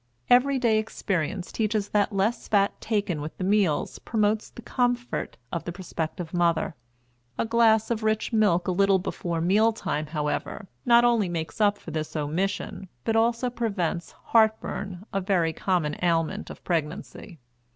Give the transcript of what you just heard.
Every day experience teaches that less fat taken with the meals promotes the comfort of the prospective mother. A glass of rich milk a little before meal time, however, not only makes up for this omission but also prevents "heart burn," a very common ailment of pregnancy.